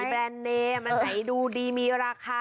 นะแบรนเดม่ันไหนดูดีมีราคา